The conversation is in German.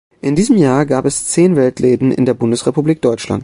In diesem Jahr gab es zehn Weltläden in der Bundesrepublik Deutschland.